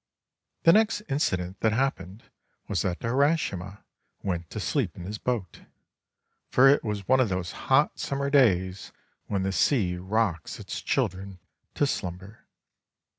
The next incident that happened was that Urashima went to sleep in his boat, for it was one of those hot summer days when the sea rocks its children to slumber.